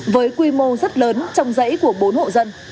với quy mô rất lớn trong dãy của bốn hộ dân